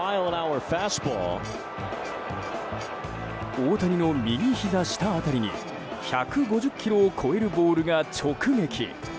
大谷の右ひざ下辺りに１５０キロを超えるボールが直撃。